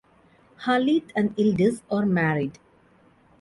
Halit and Yildiz are married.